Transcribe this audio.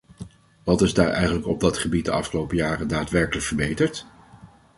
Wat is daar eigenlijk op dat gebied de afgelopen jaren daadwerkelijk verbeterd?